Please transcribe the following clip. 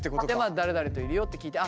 誰々といるよって聞いてああ